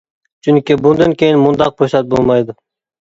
چۈنكى بۇندىن كېيىن مۇنداق پۇرسەت بولمايدۇ.